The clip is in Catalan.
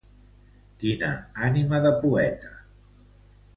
Quina ànima de poeta!